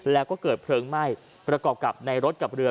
แล้วก็เกิดเพลิงไหม้ประกอบกับในรถกับเรือ